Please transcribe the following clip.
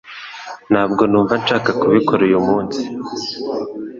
Ntabwo numva nshaka kubikora uyu munsi